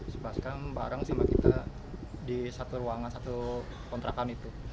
sebelah sekarang bareng sama kita di satu ruangan satu kontrakan itu